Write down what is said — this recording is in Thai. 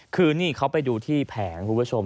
คือนี่เขาไปดูที่แผงคุณผู้ชม